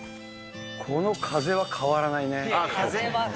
この風は変わらないね。